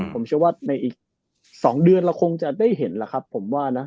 ผมเชื่อว่าในอีก๒เดือนเราคงจะได้เห็นล่ะครับผมว่านะ